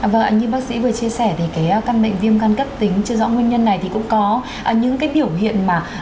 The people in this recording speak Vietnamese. vâng như bác sĩ vừa chia sẻ thì cái căn bệnh viêm gan cấp tính chưa rõ nguyên nhân này thì cũng có những cái biểu hiện mà